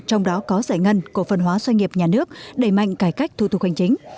trong đó có giải ngân cổ phần hóa doanh nghiệp nhà nước đẩy mạnh cải cách thu thục hành chính